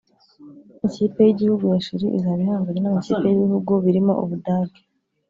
Ikipe y’igihugu ya Chili izaba ihanganye n’amakipe y’ibihugu birimo Ubudage